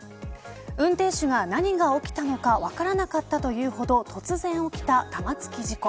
運転手が何が起きたのか分からなかったというほど突然起きた玉突き事故。